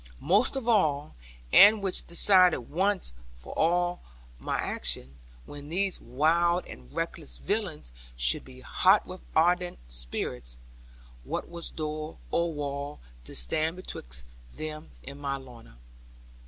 Most of all, and which decided once for all my action, when these wild and reckless villains should be hot with ardent spirits, what was door, or wall, to stand betwixt them and my Lorna?